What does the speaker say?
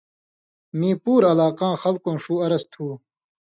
میں پُور علاقاں خلکؤں ݜُو عرض تُھو